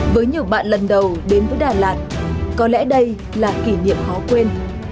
với nhiều bạn lần đầu đến với đà lạt có lẽ đây là kỷ niệm khó quên